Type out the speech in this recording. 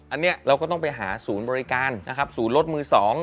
อันนี้เราก็ต้องไปหาศูนย์บริการนะครับศูนย์รถมือ๒